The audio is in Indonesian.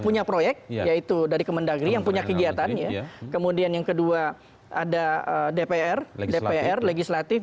punya proyek yaitu dari kemendagri yang punya kegiatan ya kemudian yang kedua ada dpr dpr legislatif